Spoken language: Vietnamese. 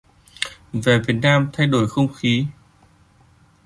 Về Việt Nam thay đổi không khí